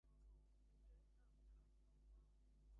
কী হয়েছে বলো তো?